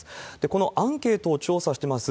このアンケートを調査してます